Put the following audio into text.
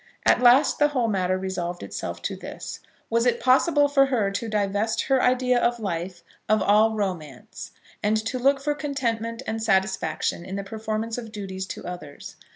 At last the whole matter resolved itself to this; was it possible for her to divest her idea of life of all romance, and to look for contentment and satisfaction in the performance of duties to others?